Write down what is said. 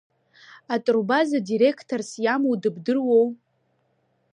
Атурбаза диреқторс иамоу дыбдыруоу?